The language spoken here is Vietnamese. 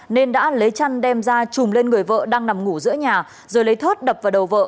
nên đã lấy chăn đem ra chùm lên người vợ đang nằm ngủ giữa nhà rồi lấy thớt đập vào đầu vợ